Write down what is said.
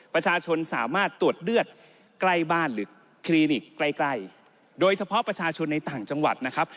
ประชาชนสามารถตรวจเลือดใกล้บ้านหรือคลินิกใกล้ใกล้โดยเฉพาะประชาชนในต่างจังหวัดนะครับ